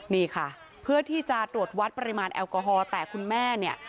นี่ค่ะเพื่อที่จะตรวจวัดปริมาณแอลกอฮอล์แต่คุณแม่เนี่ย